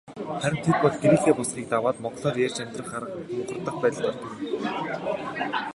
Харин тэд бол гэрийнхээ босгыг даваад монголоор ярьж амьдрах арга мухардах байдалд ордог юм.